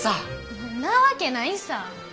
なわけないさぁ。